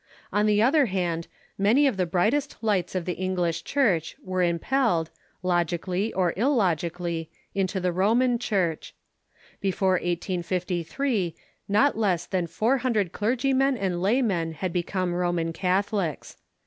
On the other hand, many of the brightest lights of the English Church were impelled, logically or illogically, into the Roman Church. Before 1853 not less than four hundred clergymen and laymen had become Roman Catholics.